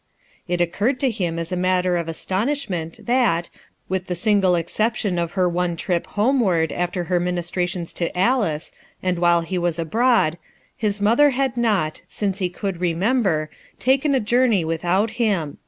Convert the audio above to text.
It occurred to him as a matter of astonishment that, with the single exception of her one trip homeward, after her ministrations to Alice, and while he was abroad, his mother had not, since he could remember, taken a journey with out him.